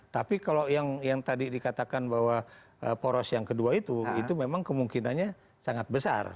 tapi kalau yang tadi dikatakan bahwa poros yang kedua itu itu memang kemungkinannya sangat besar